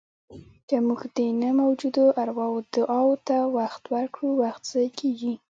که موږ د نه موجودو ارواوو دعاوو ته وخت ورکړو، وخت ضایع کېږي.